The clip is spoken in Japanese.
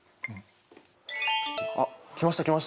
あっ来ました来ました。